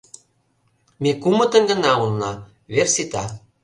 — Ме кумытын гына улына, вер сита.